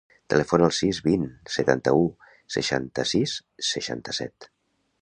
Telefona al sis, vint, setanta-u, seixanta-sis, seixanta-set.